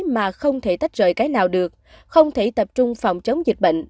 mà không thể tách rời cái nào được không thể tập trung phòng chống dịch bệnh